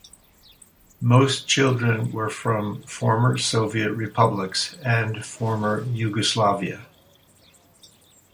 Most children were from former Soviet republics and former Yugoslavia.